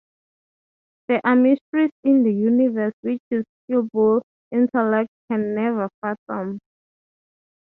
There are mysteries in the universe which his feeble intellect can never fathom.